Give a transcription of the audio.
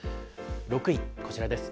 ６位、こちらです。